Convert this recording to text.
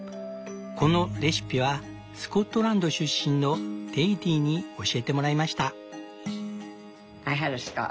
このレシピはスコットランド出身のデイディに教えてもらいました」。